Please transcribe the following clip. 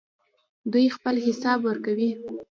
دوی خپل حساب ورکوي.